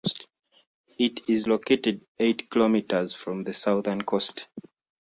It is located eight kilometres from the southern coast.